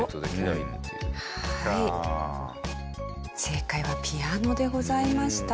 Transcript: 正解はピアノでございました。